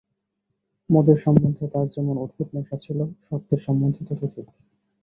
মদের সম্বন্ধে তাঁর যেমন অদ্ভুত নেশা ছিল সত্যের সম্বন্ধে ততোধিক।